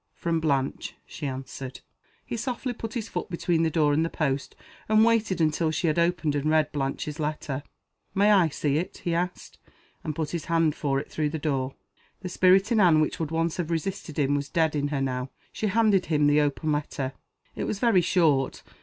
"From Blanche," she answered. He softly put his foot between the door and the post and waited until she had opened and read Blanche's letter. "May I see it?" he asked and put in his hand for it through the door. The spirit in Anne which would once have resisted him was dead in her now. She handed him the open letter. It was very short.